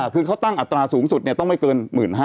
คือเขาตั้งอัตราสูงสุดต้องไม่เกิน๑๕๐๐